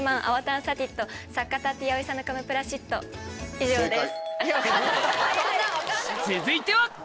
以上です。